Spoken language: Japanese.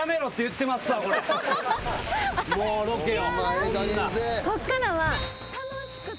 もうロケを。